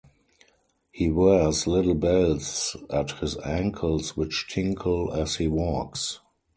He wears little bells at his ankles which tinkle as he walks.